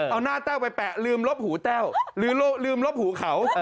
เอาหน้าแต้วไปแปะลืมลบหูแต้วหรือลืมลบหูเขา